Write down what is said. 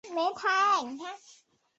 她与尚贞王育有一子四女。